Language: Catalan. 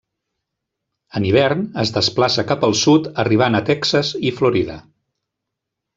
En hivern es desplaça cap al sud arribant a Texas i Florida.